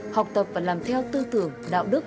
học tập và làm theo tư tưởng đạo đức